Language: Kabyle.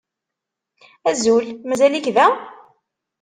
Azul! Mazal-ik da?